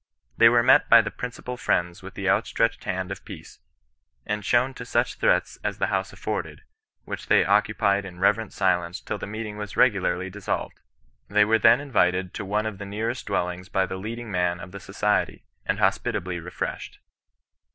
They were met by the principal Friends with the outstretched hand of peace, and shown to such seats as the house afforded, which they occupied in reverent silence till the meeting was regularly dissolved. They were then invited to one of the nearest dwellings by the leading man of the So ciety, and hospitably refreshed.